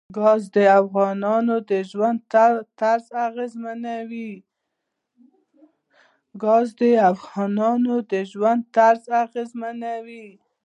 ګاز د افغانانو د ژوند طرز اغېزمنوي.